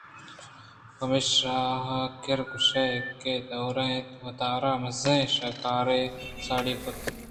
پمیشا کرگُشکے دئور دات ءُ وتارا مزنیں شکار ءَ ساڑی کُرت